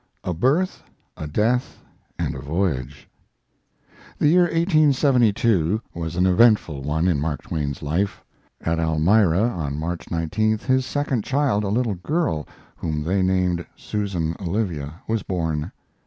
A BIRTH, A DEATH, AND A VOYAGE The year 1872 was an eventful one in Mark Twain's life. At Elmira, on March 19th, his second child, a little girl, whom they named Susan Olivia, was born.